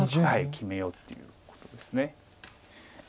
決めようっていうことです。